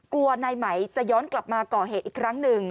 กลัวนายไหมจะย้อนกลับมาก่อเหตุอีกครั้งหนึ่ง